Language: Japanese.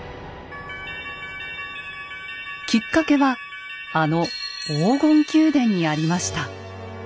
きっかけはあの黄金宮殿にありました。